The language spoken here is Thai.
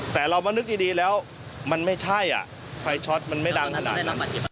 แต่เรานึกดีแล้วมันไม่ช่าวไฟช็อตไม่ดังขนาดนี้